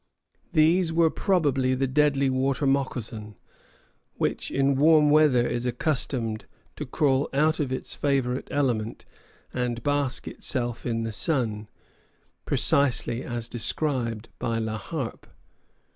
These were probably the deadly water moccason, which in warm weather is accustomed to crawl out of its favorite element and bask itself in the sun, precisely as described by La Harpe.